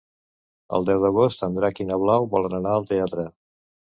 El deu d'agost en Drac i na Blau volen anar al teatre.